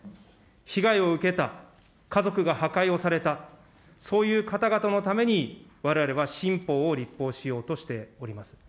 被害を受けた、家族が破壊をされた、そういう方々のために、われわれは新法を立法しようとしております。